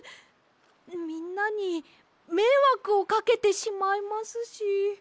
みんなにめいわくをかけてしまいますし。